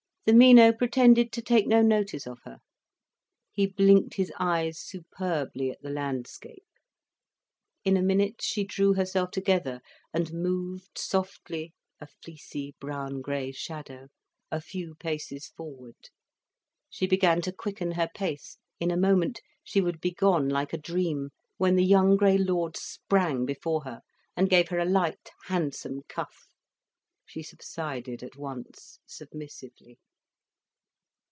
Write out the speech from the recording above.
The Mino pretended to take no notice of her. He blinked his eyes superbly at the landscape. In a minute she drew herself together and moved softly, a fleecy brown grey shadow, a few paces forward. She began to quicken her pace, in a moment she would be gone like a dream, when the young grey lord sprang before her, and gave her a light handsome cuff. She subsided at once, submissively.